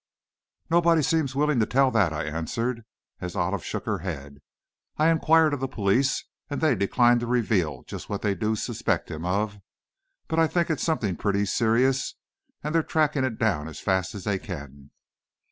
"Nobody seems willing to tell that," I answered, as Olive shook her head. "I've inquired of the police, and they decline to reveal just what they do suspect him of. But I think it's something pretty serious, and they're tracking it down as fast as they can."